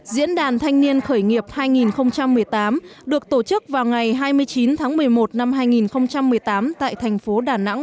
diễn đàn thanh niên khởi nghiệp hai nghìn một mươi tám được tổ chức vào ngày hai mươi chín tháng một mươi một năm hai nghìn một mươi tám tại thành phố đà nẵng